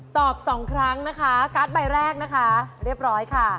สองครั้งนะคะการ์ดใบแรกนะคะเรียบร้อยค่ะ